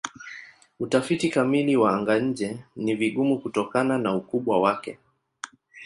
Utafiti kamili wa anga-nje ni vigumu kutokana na ukubwa wake.